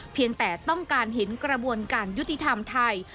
เพียงแต่ต้องการเห็นกระบวนการยุติธรรมไทย